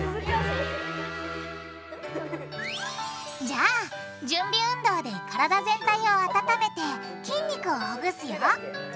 じゃあ準備運動で体全体を温めて筋肉をほぐすよ！